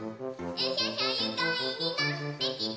「うひゃひゃゆかいになってきた」